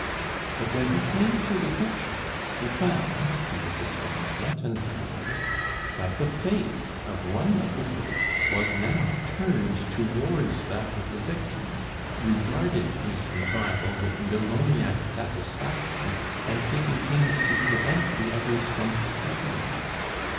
But when he came to the picture, he found, to his astonishment and terror, that the face of one of the group was now turned towards that of the victim, regarding his revival with demoniac satisfaction, and taking pains to prevent the others from discovering it.